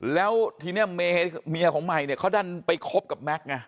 แล้วทีนี้เมียของใหม่เนี่ยเขาดันไปคบกับแม็กซ์ไง